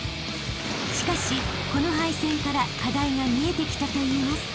［しかしこの敗戦から課題が見えてきたといいます］